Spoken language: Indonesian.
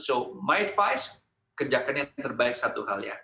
jadi saran saya kerjakan yang terbaik satu hal